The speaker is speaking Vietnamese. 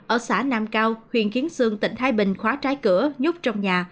ở xã nam cao huyện kiến sương tỉnh thái bình khóa trái cửa nhút trong nhà